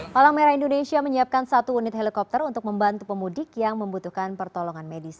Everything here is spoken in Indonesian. palang merah indonesia menyiapkan satu unit helikopter untuk membantu pemudik yang membutuhkan pertolongan medis